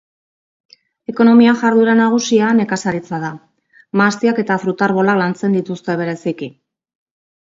Ekonomia-jarduera nagusia nekazaritza da: mahastiak eta fruta-arbolak lantzen dituzte bereziki.